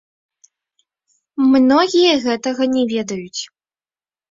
Многія гэтага не ведаюць.